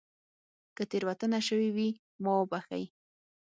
که تېروتنه شوې وي ما وبښئ